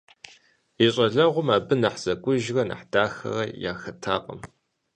И щӀалэгъуэм абы нэхъ зэкӀужрэ нэхъ дахэрэ яхэтакъым.